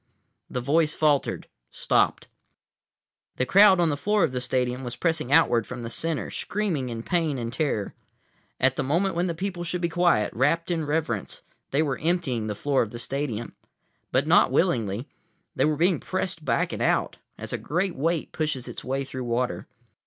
The voice faltered, stopped. The crowd on the floor of the stadium was pressing outward from the center, screaming in pain and terror. At the moment when the people should be quiet, rapt in reverence, they were emptying the floor of the stadium. But not willingly. They were being pressed back and out, as a great weight pushes its way through water.